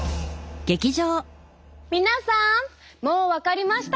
皆さんもう分かりましたか？